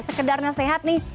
sekedarnya sehat nih